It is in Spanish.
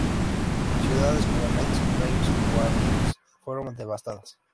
Ciudades como Metz, Reims o Amiens fueron devastadas.